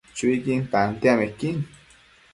Chuiquin tantiamequin